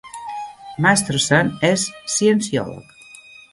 Masterson és cienciòleg.